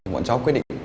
bọn cháu quyết định